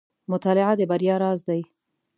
• مطالعه د بریا راز دی.